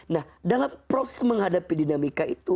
nah dalam proses menghadapi dinamika itu